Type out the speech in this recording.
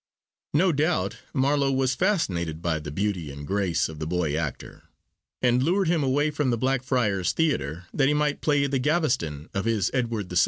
No doubt, Marlowe was fascinated by the beauty and grace of the boy actor, and lured him away from the Blackfriars Theatre, that he might play the Gaveston of his Edward II.